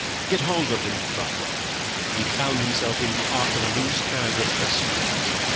"Get hold of him!" cried one. He found himself in the arc of a loose curve of pursuers.